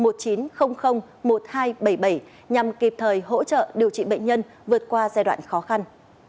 tổng đài một chín không không một hai bảy bảy nhằm kịp thời hỗ trợ điều trị bệnh nhân vượt qua giai đoạn khó khăn